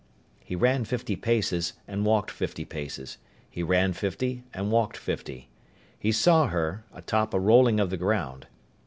He ran fifty paces and walked fifty paces. He ran fifty and walked fifty. He saw her, atop a rolling of the ground.